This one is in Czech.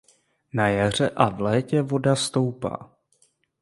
Na jaře a v létě voda stoupá.